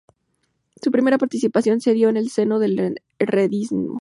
Su primera participación se dio en el seno del herrerismo.